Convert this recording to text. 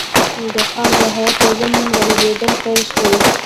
د خان رعیت نظام ړنګېدل پیل شول.